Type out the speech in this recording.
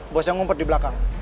bos yang ngumpet dibelakang